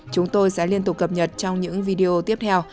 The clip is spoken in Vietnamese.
chúng tôi sẽ liên tục cập nhật trong những video tiếp theo